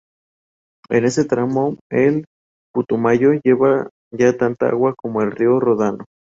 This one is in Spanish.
En este tramo el Putumayo lleva ya tanta agua como el río Ródano.